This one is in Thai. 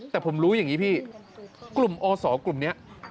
แต่ผมรู้อย่างนี้พี่กลุ่มอศกลุ่มนี้